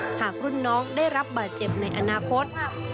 หากรุ่นน้องได้รับบาดเจ็บในอนาคต